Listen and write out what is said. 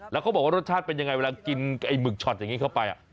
แล้วก็บอกว่ารสชาติเป็นไงกลับกินมึกช็อคแบบนี้เข้าไป